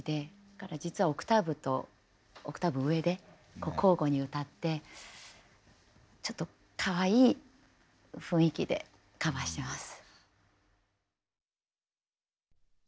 だから実はオクターブとオクターブ上で交互に歌ってちょっとかわいい雰囲気でカバーしてます。